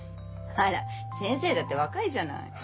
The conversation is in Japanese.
あら先生だって若いじゃない。